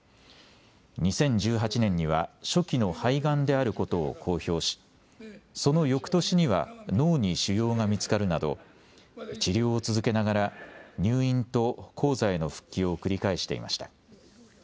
２０１８年には初期の肺がんであることを公表しそのよくとしには脳に腫瘍が見つかるなど治療を続けながら入院と高座への復帰を繰り返していました。